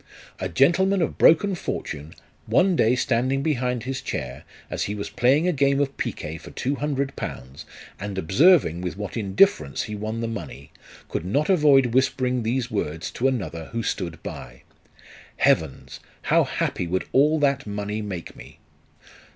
A gentleman of broken fortune, one day standing behind his chair, as he was playing a game of picojiet for two hundred pounds, and observing with what indifference he won the money, could not avoid whispering these words to another who stood by, " Heavens ! how happy would all that money make me